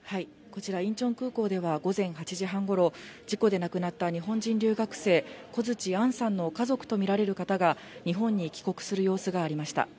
こちら、インチョン空港では午前８時半頃、事故で亡くなった日本人留学生・小槌杏さんの家族とみられる方が日本に帰国する様子がありました。